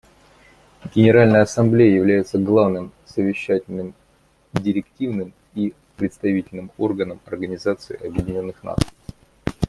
Генеральная Ассамблея является главным совещательным, директивным и представительным органом Организации Объединенных Наций.